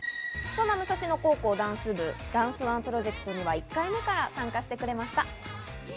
そんな武蔵野高校ダンス部、ダンスＯＮＥプロジェクトには１回目から参加してくれました。